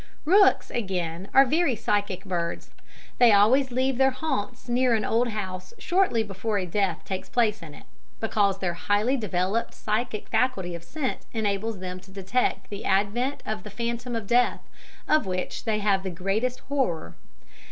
Rooks, again, are very psychic birds; they always leave their haunts near an old house shortly before a death takes place in it, because their highly developed psychic faculty of scent enables them to detect the advent of the phantom of death, of which they have the greatest horror.